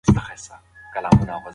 دا د ژوند تګلاره ده.